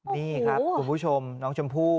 นี่ครับคุณผู้ชมน้องชมพู่